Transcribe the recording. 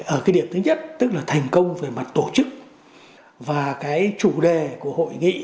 ở cái điểm thứ nhất tức là thành công về mặt tổ chức và cái chủ đề của hội nghị